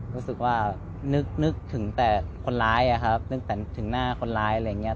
รู้สึกว่านึกถึงแต่คนร้ายอะครับนึกแต่ถึงหน้าคนร้ายอะไรอย่างนี้